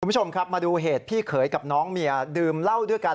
คุณผู้ชมครับมาดูเหตุพี่เขยกับน้องเมียดื่มเหล้าด้วยกัน